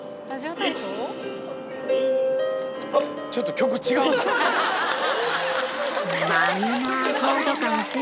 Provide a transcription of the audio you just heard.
ちょっと曲違うぞ。